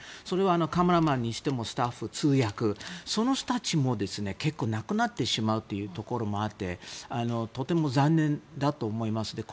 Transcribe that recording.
それは、カメラマンにしてもスタッフ、通訳とかそういう人たちも結構亡くなってしまうということがあってとても残念だと思います。